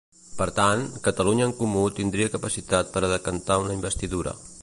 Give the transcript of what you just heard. Per tant, Catalunya en Comú tindria capacitat per a decantar una investidura.